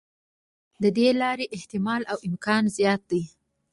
د دې لارې احتمال او امکان زیات دی.